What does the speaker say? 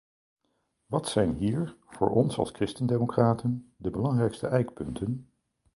Wat zijn hier voor ons als christen-democraten de belangrijkste ijkpunten?